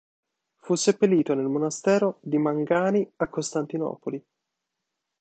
Fu seppellito nel monastero di Mangani a Costantinopoli.